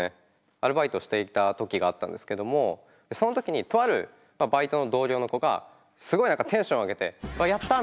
アルバイトをしていた時があったんですけどもその時にとあるバイトの同僚の子がすごいテンションを上げてヤッター！